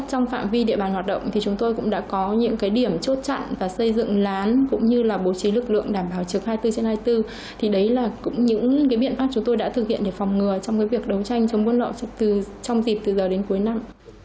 trong việc đấu tranh chống bơn lậu trong dịp từ giờ đến cuối năm